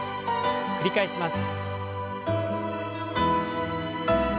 繰り返します。